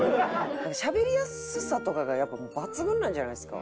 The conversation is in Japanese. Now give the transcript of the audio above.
しゃべりやすさとかがやっぱ抜群なんじゃないんですか？